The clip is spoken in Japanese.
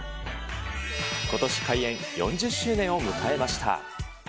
ことし開園４０周年を迎えました。